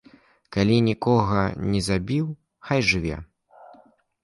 Калі нікога не забіў, хай жыве.